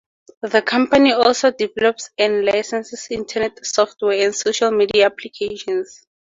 The company also develops and licenses internet software and social media applications.